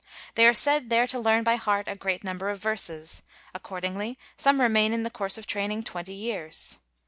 They are said there to learn by heart a great number of verses; accordingly some remain in the course of training twenty years.